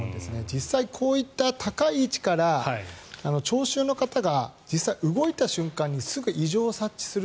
実際にこういった高い位置から聴衆の方が実際動いた瞬間にすぐ異常を察知する。